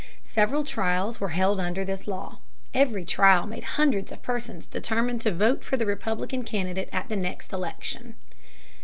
Several trials were held under this law. Every trial made hundreds of persons determined to vote for the Republican candidate at the next election.